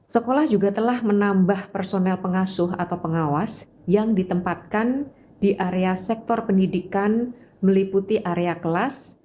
sekolah juga telah menambah personel pengasuh atau pengawas yang ditempatkan di area sektor pendidikan meliputi area kelas